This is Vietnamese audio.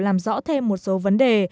làm rõ thêm một số vấn đề